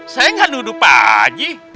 saya gak nuduh pak haji